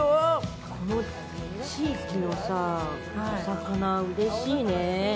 この地域のお魚、うれしいね。